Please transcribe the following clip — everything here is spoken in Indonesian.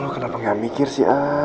kenapa gak mikir sih